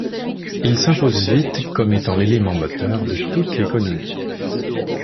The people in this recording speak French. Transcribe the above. Il s'impose vite comme étant l'élément moteur de toute l'économie.